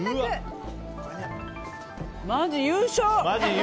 マジ優勝！